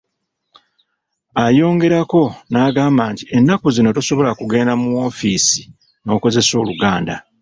Ayongerako n'agamba nti ennaku zino tosobola kugenda mu wofiisi n'okozesa Oluganda.